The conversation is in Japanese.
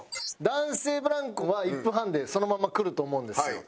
男性ブランコは１分半でそのままくると思うんですよ。